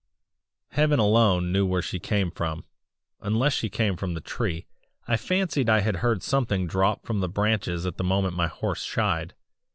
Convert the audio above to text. "Heaven alone knew where she came from unless from the tree; I fancied I had heard something drop from the branches at the moment my horse shied.